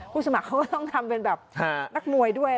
สมัครเขาก็ต้องทำเป็นแบบนักมวยด้วย